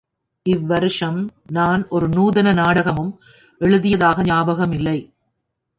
இவ்வருஷம் நான் ஒரு நூதன நாடகமும் எழுதியதாக ஞாபகமில்லை.